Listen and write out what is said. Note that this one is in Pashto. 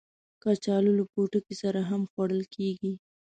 کچالو له پوټکي سره هم خوړل کېږي